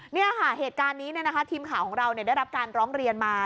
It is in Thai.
นี่ค่ะเหตุการณ์นี้ทีมข่าวของเราได้รับการร้องเรียนมา